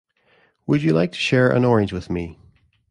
Would you like to share an orange with me?